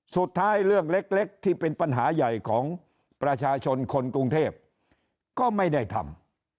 สุดท้ายเรื่องเล็กที่เป็นปัญหาใหญ่ของประชาชนคนกรุงเทพก็ไม่ได้ทำ